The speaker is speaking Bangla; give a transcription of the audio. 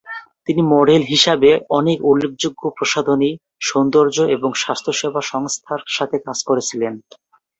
তিনি মডেল হিসাবে অনেক উল্লেখযোগ্য প্রসাধনী, সৌন্দর্য এবং স্বাস্থ্যসেবা সংস্থার সাথে কাজ করেছিলেন।